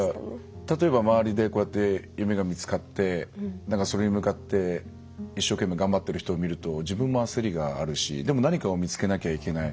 例えば周りで夢が見つかってそれに向かって一生懸命、頑張ってる人見ると自分も焦りがあるしでも何かを見つけなきゃいけない。